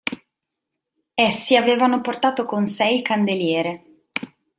Essi avevano portato con sé il candeliere.